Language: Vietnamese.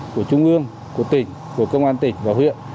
của trung ương của tỉnh của công an tỉnh và huyện